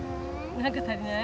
何か足りない？